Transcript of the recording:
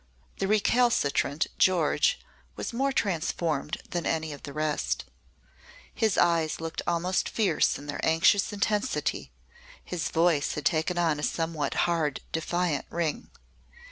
The recalcitrant George was more transformed than any of the rest. His eyes looked almost fierce in their anxious intensity, his voice had taken on a somewhat hard defiant ring.